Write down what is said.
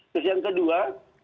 terus yang kedua